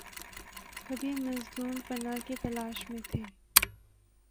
کبھی مظلوم پناہ کی تلاش میں تھے۔